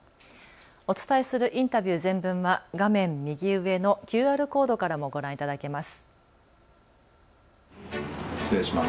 お伝えするインタビュー全文は画面右上のＱＲコードからもご覧いただけます。